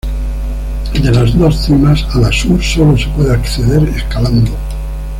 De las dos cimas, a la sur solo se puede acceder escalando.